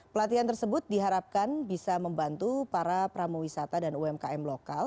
pelatihan tersebut diharapkan bisa membantu para pramu wisata dan umkm lokal